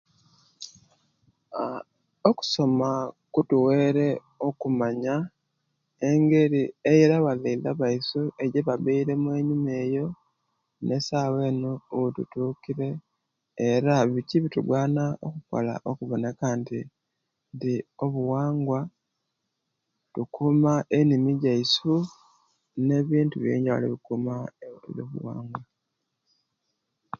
Okusoma kutuwere okumanya engeri eya bazeiza baisu ejibaberemu enyuma eyo nesawa eno owetutukire era biki ebitugwana okukola okuboneka nti nti obuwangwa tukuma enimi jaisu nebintu ebyeyuwa ebitunyuwa